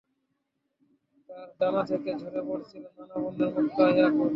তার ডানা থেকে ঝরে পড়ছিল নানা বর্ণের মুক্তা ও ইয়াকুত।